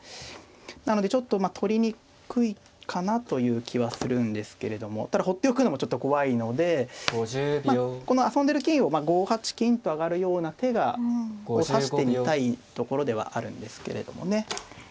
なのでちょっと取りにくいかなという気はするんですけれどもただほっておくのもちょっと怖いのでまあこの遊んでる金を５八金と上がるような手が指してみたいところではあるんですけれどもね。